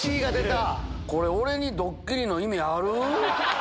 これ、俺にドッキリの意味ある？